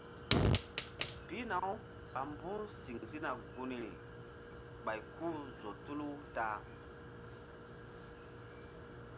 Pihna- uɓa mbu̧h siŋ sina gunri ɓay ku-u zo tulu ta-a.